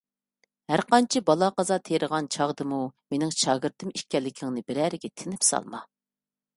ھەرقانچە بالا - قازا تېرىغان چاغدىمۇ، مېنىڭ شاگىرتىم ئىكەنلىكىڭنى بىرەرىگە تىنىپ سالما.